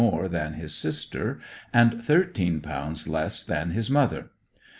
more than his sister, and thirteen pounds less than his mother.